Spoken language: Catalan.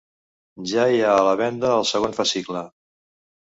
Ja hi ha a la venda el segon fascicle.